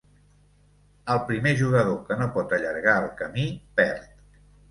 El primer jugador que no pot allargar el camí perd.